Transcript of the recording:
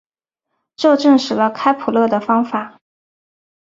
这证实了开普勒的方法。